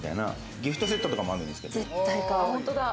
ギフトセットとかもあるんですけれど。